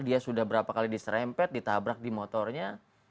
dia sudah berapa kali diserempet ditabrak di motornya